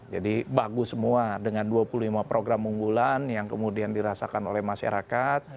bagus semua dengan dua puluh lima program unggulan yang kemudian dirasakan oleh masyarakat